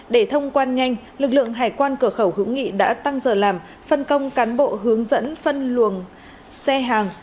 để thông quan nhanh lực lượng hải quan cửa khẩu hữu nghị đã tăng giờ làm phân công cán bộ hướng dẫn phân luồng xe hàng